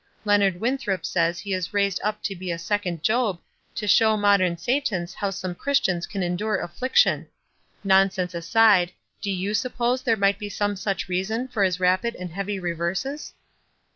Leonard Winthrop says he is raised up to be a second Job to show modern Satans how some Christians can endure afiliction. Nonsense aside, do you suppose there might be some such reason for his rapid and heavy reverses